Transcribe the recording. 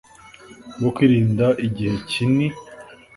bwo kwirinda igihe kini